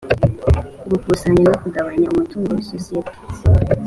gukusanya no kugabanya umutungo w isosiyete